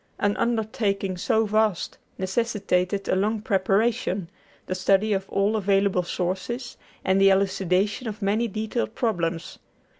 An undertaking so vast necessitated a long preparation, the study of all available sources, and the elucidation of many detailed problems.